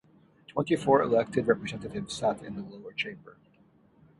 Twenty-four elected representatives sat in the lower chamber.